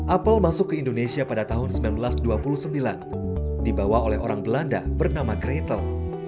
apple masuk ke indonesia pada tahun seribu sembilan ratus dua puluh sembilan dibawa oleh orang belanda bernama gratel